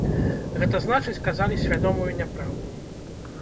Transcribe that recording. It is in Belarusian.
Гэта значыць, казалі свядомую няпраўду.